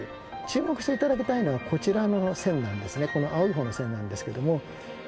注目していただきたいのは、こちらの線なんですね、この青いほうの線なんですけれども。